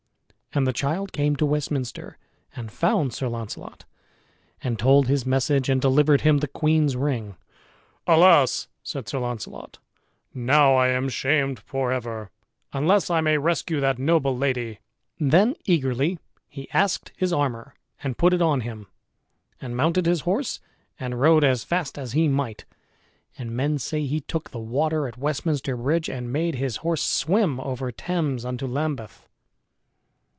And the child came to Westminster and found Sir Launcelot and told his message and delivered him the queen's ring. "Alas!" said Sir Launcelot, "now am I shamed for ever, unless I may rescue that noble lady." Then eagerly he asked his armor and put it on him, and mounted his horse and rode as fast as he might; and men say he took the water at Westminster Bridge, and made his horse swim over Thames unto Lambeth.